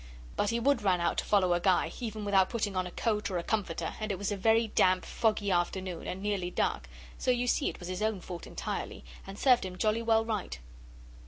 But he would run out to follow a guy, without even putting on a coat or a comforter, and it was a very damp, foggy afternoon and nearly dark, so you see it was his own fault entirely, and served him jolly well right.